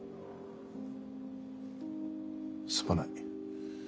すまない。